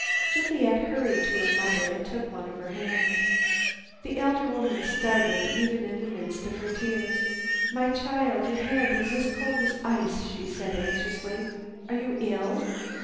Juliet hurried to her mother and took one of her hands. The elder woman started, even in the midst of her tears. "My child, your hand is as cold as ice," she said anxiously. "Are you ill."